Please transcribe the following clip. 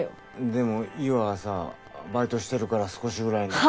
でも優愛はさバイトしてるから少しぐらいなら。